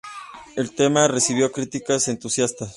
El tema recibió críticas entusiastas.